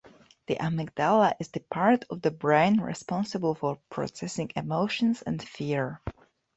The amygdala is the part of the brain responsible for processing emotions and fear.